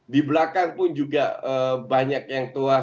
di belakang pun juga banyak yang tua